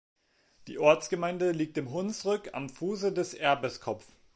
Die Ortsgemeinde liegt im Hunsrück am Fuße des Erbeskopf.